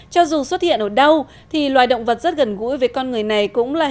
cho dù xuất hiện ở đâu thì loài động vật rất gần gũi với con người này